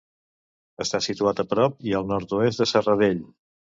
Està situat a prop i al nord-oest de Serradell.